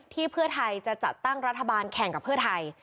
เพื่อไทยจะจัดตั้งรัฐบาลแข่งกับเพื่อไทย